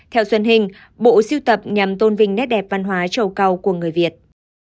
theo xuân hình bộ siêu tập nhằm tôn vinh nét đẹp văn hóa trầu cầu của người việt